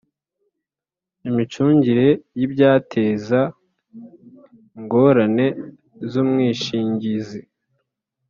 imicungire y ibyateza ingorane z umwishingizi